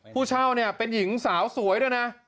ผู้เช่าเนี่ยเป็นหญิงสาวสวยด้วยนะ